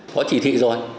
có chỉ thị rồi